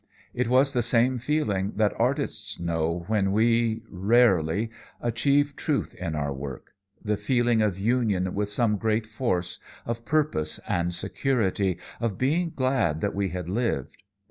It was the same feeling that artists know when we, rarely, achieve truth in our work; the feeling of union with some great force, of purpose and security, of being glad that we have lived.